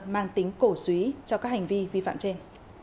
mang tính cổ suý cho các hành vi vi phạm trên